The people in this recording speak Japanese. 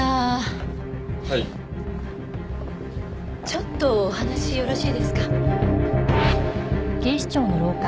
ちょっとお話よろしいですか？